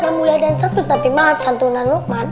yang mulia dan satu tapi mahat santunan luqman